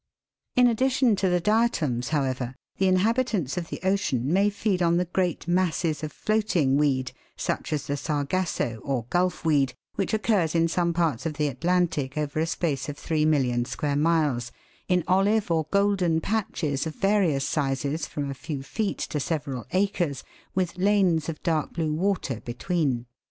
(Fig. 35 ) In addition to the diatoms, however, the inhabitants of the ocean may feed on the great masses of floating weed, such as the Sargasso, or Gulf weed, which occurs in some parts of the Atlantic over a space of 3,000,000 square miles, in olive or golden patches of various sizes, from a few feet to several acres, with lanes of dark blue water between.